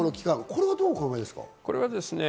これはどう考えますか？